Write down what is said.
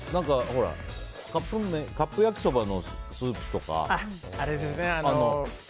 カップ焼きそばのスープとか。